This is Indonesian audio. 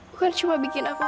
bukan cuma bikin aku